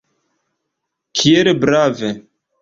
Kiel brave!